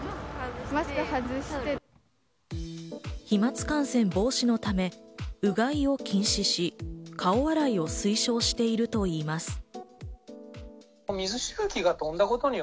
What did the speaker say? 飛沫感染防止のため、うがいを禁止し、顔洗いを推奨しているといいます。